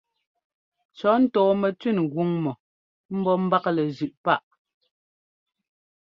Cɔ̌ ntɔɔmɛtẅín gʉŋ mɔ ḿbɔ́ ḿbaklɛ zʉꞌ páꞌ.